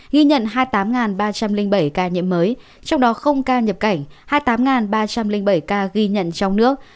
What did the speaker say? ghi nhận hai mươi tám ba trăm linh bảy ca nhiễm mới trong đó không ca nhập cảnh hai mươi tám ba trăm linh bảy ca ghi nhận trong nước